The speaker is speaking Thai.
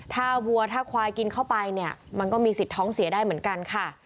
ถ้าวัวถ้าควายกินเข้าไปเนี่ยมันก็มีสิทธิ์ท้องเสียได้เหมือนกันค่ะ